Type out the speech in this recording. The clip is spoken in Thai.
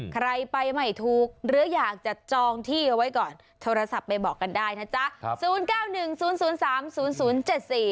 ใครไปไม่ถูกหรืออยากจะจองที่เอาไว้ก่อนโทรศัพท์ไปบอกกันได้นะจ๊ะครับ